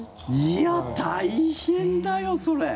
いや、大変だよそれ。